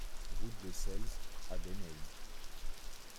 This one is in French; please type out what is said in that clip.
Route de Seltz à Beinheim